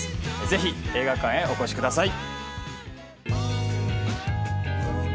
ぜひ映画館へお越しください